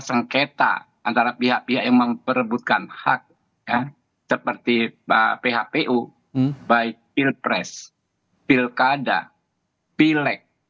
sengketa antara pihak pihak yang memperebutkan hak seperti phpu baik pilpres pilkada pilek